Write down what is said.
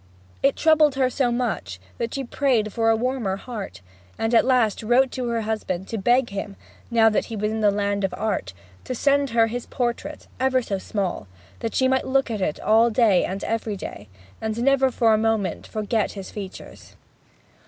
It troubled her so much that she prayed for a warmer heart, and at last wrote to her husband to beg him, now that he was in the land of Art, to send her his portrait, ever so small, that she might look at it all day and every day, and never for a moment forget his features.